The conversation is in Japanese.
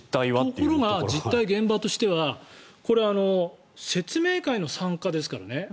実態、現場としてはこれは説明会の参加ですからね。